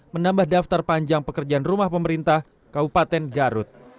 menambah daftar panjang pekerjaan rumah pemerintah kabupaten garut